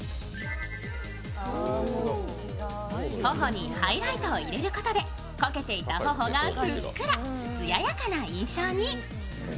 頬にハイライトを入れることでこけていた頬がふっくら艶やかな印象に。